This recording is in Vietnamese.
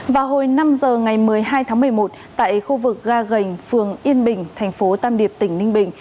vào hồi năm giờ ngày một mươi hai tháng một mươi một tại khu vực ga gành phường yên bình thành phố tam điệp tỉnh ninh bình